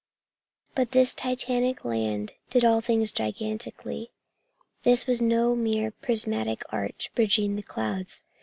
But this titanic land did all things gigantically. This was no mere prismatic arch bridging the clouds.